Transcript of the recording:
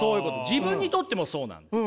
自分にとってもそうなんです。